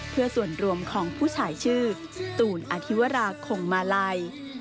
เพื่อส่วนรวมของผู้ชายชื่อสตูนอธิวราคงมาลัย